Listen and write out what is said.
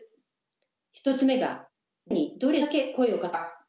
１つ目が「誰にどれだけ声をかけたのか」。